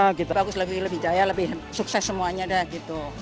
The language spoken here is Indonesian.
lebih bagus lebih jaya lebih sukses semuanya dah gitu